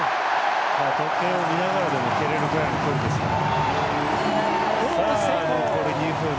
時計を見ながらでも蹴れるぐらいの距離ですから。